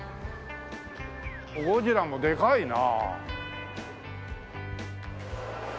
ゴジラもでかいな。